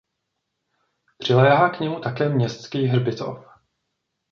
Přiléhá k němu také městský hřbitov.